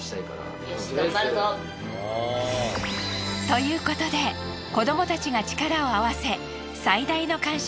ということで子どもたちが力を合わせ最大の感謝